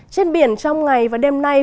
trên biển trong ngày và đêm nay